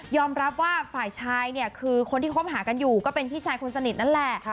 รับว่าฝ่ายชายเนี่ยคือคนที่คบหากันอยู่ก็เป็นพี่ชายคนสนิทนั่นแหละ